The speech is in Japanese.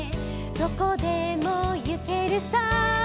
どこでもゆけるさ」